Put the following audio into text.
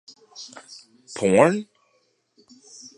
Porn?